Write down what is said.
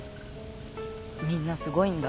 みんなすごいんだ。